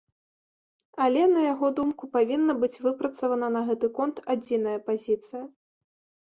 Але, на яго думку, павінна быць выпрацавана на гэты конт адзіная пазіцыя.